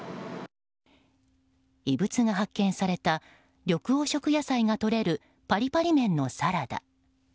異物が発見された緑黄色野菜がとれるパリパリ麺のサラダ。